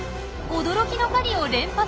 驚きの狩りを連発。